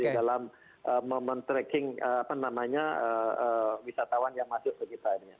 di dalam moment tracking apa namanya wisatawan yang masuk ke kita ini